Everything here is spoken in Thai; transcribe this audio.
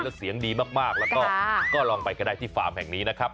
แล้วเสียงดีมากแล้วก็ลองไปก็ได้ที่ฟาร์มแห่งนี้นะครับ